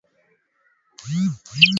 tabia yake mara moja huweza kubadilika